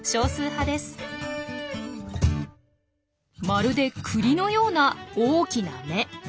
まるでクリのような大きな目！